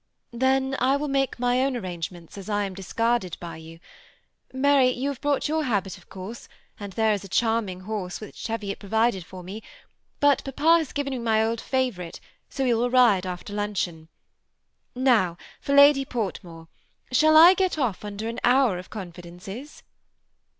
" Then I will make my own arrangements, as I am discarded by you. Mary, you have brought your habit of course, and there is a charming horse which Teviot provided for me ; but papa has given me my old favorite, so we will ride after luncheon. Now for Lady Portmore. Shall I get off under an hour of confidences